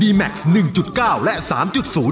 รายการต่อไปนี้เป็นรายการทั่วไปสามารถรับชมได้ทุกวัย